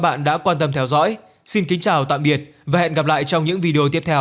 bạn đã quan tâm theo dõi xin kính chào tạm biệt và hẹn gặp lại trong những video tiếp theo